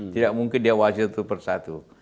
tidak mungkin dia wasil satu persatu